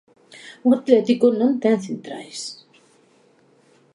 O Atlético non ten centrais.